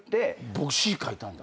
僕詞書いたんだ。